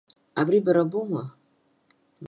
Ари бара боума?!